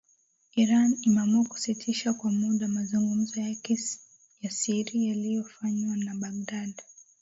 Iran imeamua kusitisha kwa muda mazungumzo yake ya siri yaliyofanywa na Baghdad